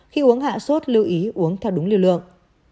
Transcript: khi uống hạ sốt lưu ý uống theo đúng lưu lượng